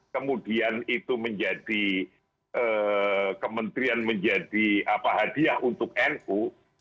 kemudian itu menjadi kementerian menjadi hadiah untuk nu